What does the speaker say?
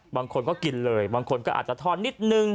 บางคนก็กินเลยบางคนก็อาจจะทอนนิดนึง